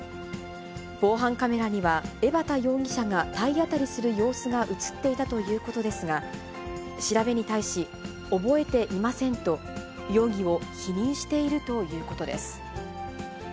防犯カメラには、江幡容疑者が体当たりする様子が写っていたということですが、調べに対し、覚えていませんと容疑を否認しているということです。